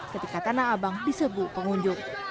ketika tanah abang disebut pengunjung